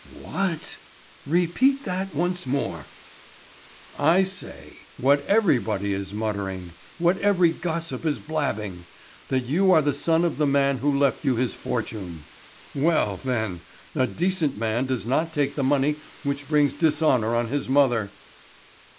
"What? Repeat that once more." "I say—what everybody is muttering, what every gossip is blabbing—that you are the son of the man who left you his fortune. Well, then—a decent man does not take the money which brings dishonour on his mother."